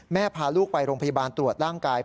พาลูกไปโรงพยาบาลตรวจร่างกาย